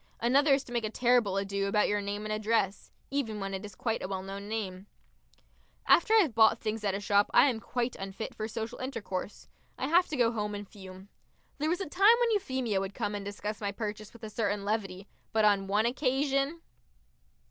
Another is to make a terrible ado about your name and address even when it is quite a well known name. After I have bought things at a shop I am quite unfit for social intercourse. I have to go home and fume. There was a time when Euphemia would come and discuss my purchase with a certain levity, but on one occasion....